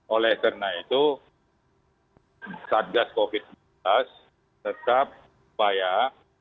oleh karena itu satgas covid sembilan belas tetap upaya